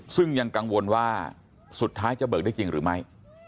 ซึ่งยังกังวลว่าสุดท้ายจะเบิกได้จริงหรือไม่